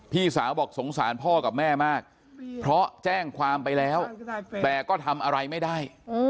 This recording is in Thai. พี่สาวบอกสงสารพ่อกับแม่มากเพราะแจ้งความไปแล้วแต่ก็ทำอะไรไม่ได้